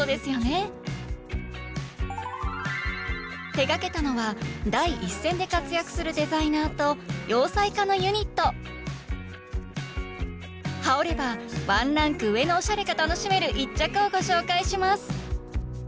手がけたのは第一線で活躍するデザイナーと洋裁家のユニット羽織ればワンランク上のオシャレが楽しめる一着をご紹介します